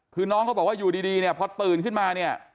คือน้องเขาบอกว่าอยู่ดีเนี่ยพอตื่นขึ้นมาเนี่ย